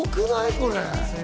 これ。